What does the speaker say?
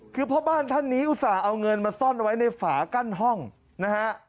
คือพ่อบ้านท่านนี้อุตส่าห์เอาเงินมาซ่อนเอาไว้ในฝากั้นห้องนะฮะ